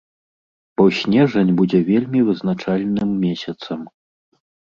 Бо снежань будзе вельмі вызначальным месяцам.